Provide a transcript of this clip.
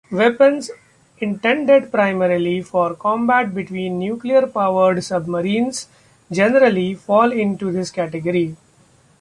Weapons intended primarily for combat between nuclear-powered submarines generally fall into this category.